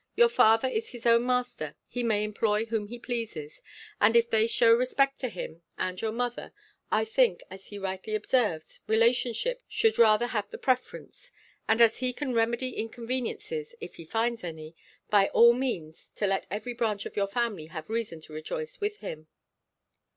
Your father is his own master: he may employ whom he pleases; and, if they shew respect to him and your mother, I think, as he rightly observes, relationship should rather have the preference; and as he can remedy inconveniences, if he finds any, by all means to let every branch of your family have reason to rejoice with him."